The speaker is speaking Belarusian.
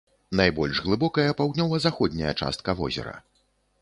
Найбольш глыбокая паўднёва-заходняя частка возера.